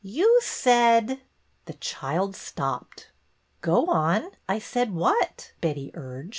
" You said —" The child stopped. " Go on. I said what? " Betty urged.